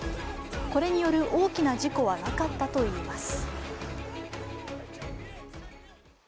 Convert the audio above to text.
これによる大きな事故はなかったといいます。